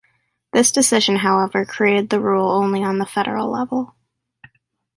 This decision, however, created the rule only on the federal level.